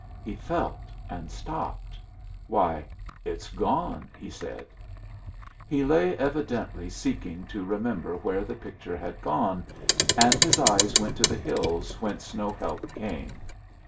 He felt and stopped. "Why, it's gone!" he said. He lay evidently seeking to remember where the picture had gone, and his eyes went to the hills whence no help came.